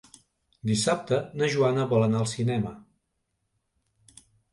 Dissabte na Joana vol anar al cinema.